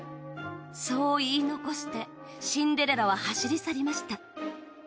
そう言い残してシンデレラは走り去りました。